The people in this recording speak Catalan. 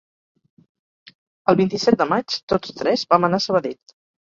El vint-i-set de maig, tots tres vam anar a Sabadell.